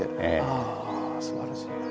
ああすばらしいな。